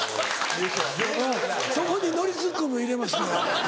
そこにノリツッコミを入れますから。